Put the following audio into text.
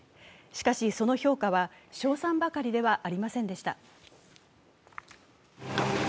しかし、その評価は称賛ばかりではありませんでした。